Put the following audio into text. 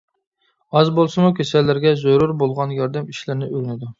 ئاز بولسىمۇ كېسەللەرگە زۆرۈر بولغان ياردەم ئىشلىرىنى ئۆگىنىدۇ.